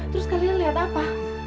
terus kalian lihat apa